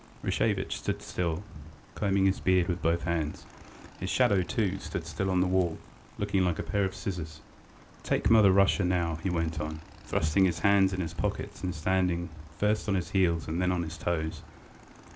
.." Rashevitch stood still, combing his beard with both hands; his shadow, too, stood still on the wall, looking like a pair of scissors. "Take Mother Russia now," he went on, thrusting his hands in his pockets and standing first on his heels and then on his toes.